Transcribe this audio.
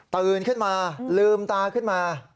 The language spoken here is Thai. ตื่นขึ้นมาลืมตาขึ้นมา